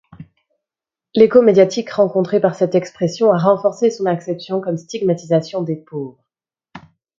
L'écho médiatique rencontré par cette expression a renforcé son acception comme stigmatisation des pauvres.